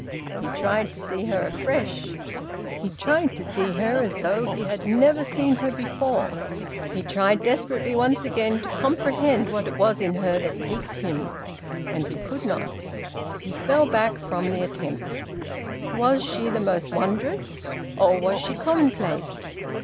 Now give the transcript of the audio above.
He tried to see her afresh; he tried to see her as though he had never seen her before; he tried desperately once again to comprehend what it was in her that piqued him. And he could not. He fell back from the attempt. Was she the most wondrous? Or was she commonplace?